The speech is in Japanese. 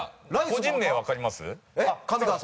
個人名わかります？